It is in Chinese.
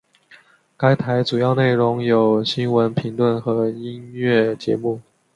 该台主要内容有新闻评论和音乐节目。